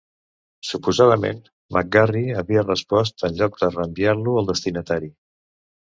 Suposadament, McGarry havia respost en lloc de reenviar-lo al destinatari.